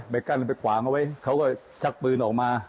กั้นไปขวางเอาไว้เขาก็ชักปืนออกมา